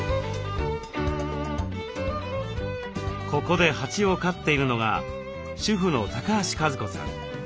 ここで蜂を飼っているのが主婦の橋和子さん。